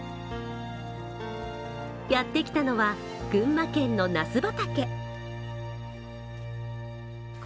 やってきたのは群馬県のなす畑。